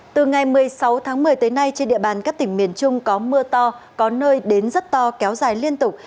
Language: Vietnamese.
từ ngày một mươi sáu tháng một mươi tới nay trên địa bàn các tỉnh miền trung có mưa to có nơi đến rất to kéo dài liên tục